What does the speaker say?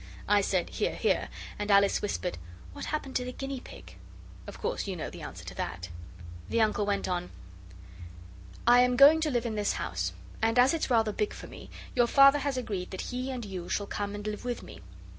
I said, 'Hear, hear,' and Alice whispered, 'What happened to the guinea pig?' Of course you know the answer to that. The Uncle went on 'I am going to live in this house, and as it's rather big for me, your Father has agreed that he and you shall come and live with me.